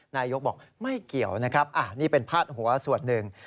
นายกบอกไม่เกี่ยวนะครับนี่เป็นพาดหัวส่วนหนึ่ง